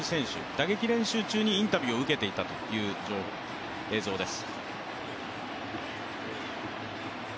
打撃練習中にインタビューを受けていた映像です。